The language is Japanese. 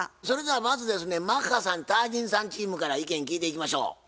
それではまずですねマッハさんタージンさんチームから意見聞いていきましょう。